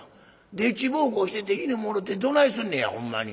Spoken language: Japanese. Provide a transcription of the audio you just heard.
丁稚奉公してて犬もろてどないすんねやほんまに。